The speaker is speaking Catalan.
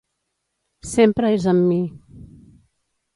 Sempre és amb mi...